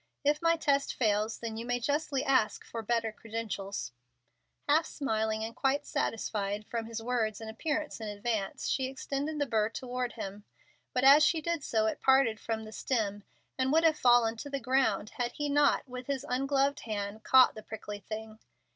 If my test fails, then you may justly ask for better credentials." Half smiling, and quite satisfied from his words and appearance in advance, she extended the burr toward him. But as she did so it parted from the stem, and would have fallen to the ground had he not, with his ungloved hand, caught the prickly thing.